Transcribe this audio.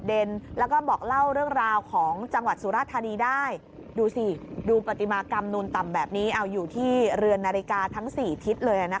ดูสิดูปฏิมากรรมนูนตำแบบนี้เอาอยู่ที่เรือนนาฬิกาทั้งสี่ทิศเลยนะค่ะ